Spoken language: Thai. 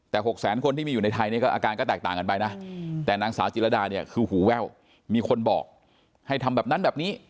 แต่๖แสนคนที่มีอยู่ในไทยนี่ก็อาการก็แตกต่างกันไปนะแต่นางสาวจิรดาเนี่ยคือหูแว่วมีคนบอกให้ทำแบบนั้นแบบนี้